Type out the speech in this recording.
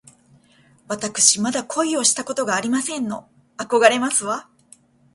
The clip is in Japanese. わたくしまだ恋をしたことがありませんの。あこがれますわ